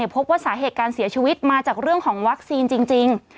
พบว่าสาเหตุการเสียชีวิตมาจากเรื่องของวัคซีนจริง